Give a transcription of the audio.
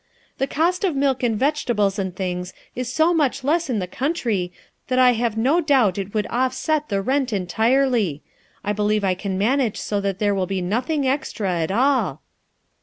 The cost of milk and vegetables and things is so much less in the country that I have no doubt it would offset the rent entirely. I believe I can manage so that there will be nothing extra at all."